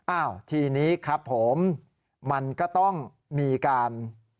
อ้าวทีนี้ครับผมมันก็ต้องมีการ